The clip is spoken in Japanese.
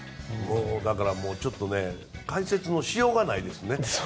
だからもう解説のしようがないですね。